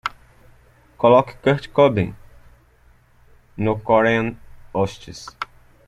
Coloque Kurt Cobain no korean osts.